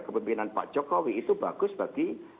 kepemimpinan pak jokowi itu bagus bagi